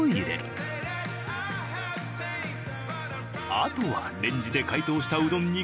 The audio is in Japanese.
あとはレンジで解凍したうどんにかけるだけ。